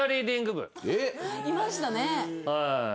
いましたね。